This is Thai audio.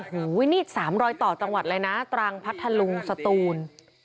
โอ้โหนี่๓รอยต่อจังหวัดเลยนะตรังพัทธลุงสตูน